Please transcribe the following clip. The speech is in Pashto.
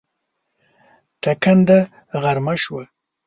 ټکنده غرمه شومه